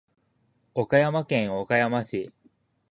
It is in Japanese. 岡山県岡山市